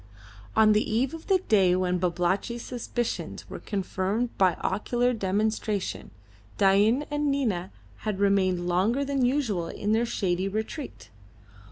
On the eve of the day when Babalatchi's suspicions were confirmed by ocular demonstration, Dain and Nina had remained longer than usual in their shady retreat.